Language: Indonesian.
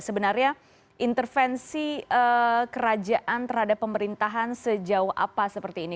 sebenarnya intervensi kerajaan terhadap pemerintahan sejauh apa seperti ini